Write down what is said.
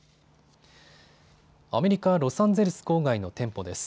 アメリカ・ロサンゼルス郊外の店舗です。